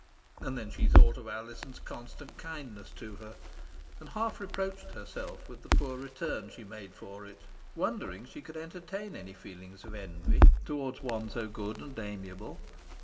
And then she thought of Alizon's constant kindness to her, and half reproached herself with the poor return she made for it, wondering she could entertain any feelings of envy towards one so good and amiable.